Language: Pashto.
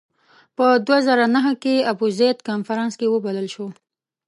په دوه زره نهه کې ابوزید کنفرانس کې وبلل شو.